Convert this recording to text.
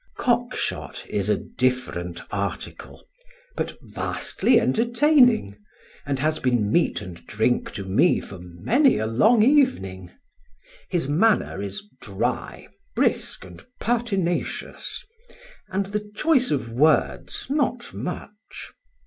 Cockshot is a different article, but vastly entertaining, and has been meat and drink to me for many a long evening. His manner is dry, brisk and pertinacious, and the choice of words not much.